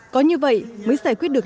có như vậy mới giải quyết được